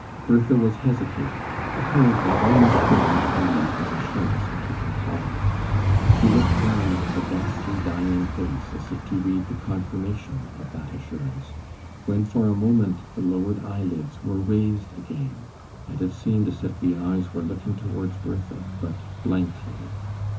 Bertha was hesitating, apparently almost willing to believe his assurance and to comply. She looked round at the ghastly dying face, as if to read the confirmation of that assurance, when for a moment the lowered eyelids were raised again, and it seemed as if the eyes were looking towards Bertha, but blankly.